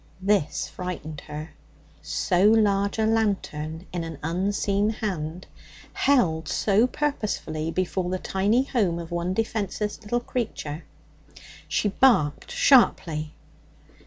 This frightened her so large a lantern in an unseen hand, held so purposefully before the tiny home of one defenceless little creature. She barked sharply.